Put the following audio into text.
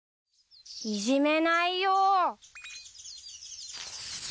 いじめないよ。